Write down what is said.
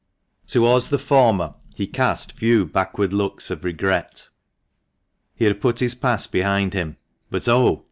Towards the former he cast few backward looks of regret — he had put his past behind him — but, oh